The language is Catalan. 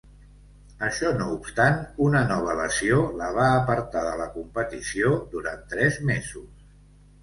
Això no obstant, una nova lesió la va apartar de la competició durant tres mesos.